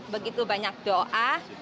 begitu banyak doa